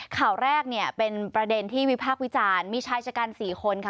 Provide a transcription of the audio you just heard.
ข่าวแรกเนี่ยเป็นประเด็นที่มีภาควิจารณ์มีใช้จัดการสี่คนค่ะ